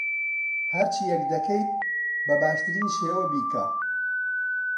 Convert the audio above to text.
هەرچییەک دەکەیت، بە باشترین شێوە بیکە.